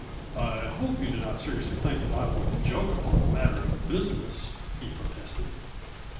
"I hope you do not seriously think that I would joke upon a matter of business," he protested.